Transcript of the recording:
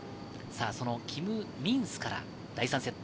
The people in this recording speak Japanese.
キム・ミンスからの第３セット。